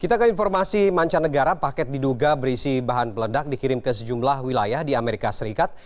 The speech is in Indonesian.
kita ke informasi mancanegara paket diduga berisi bahan peledak dikirim ke sejumlah wilayah di amerika serikat